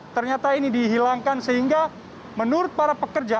ternyata ini dihilangkan sehingga menurut para pekerja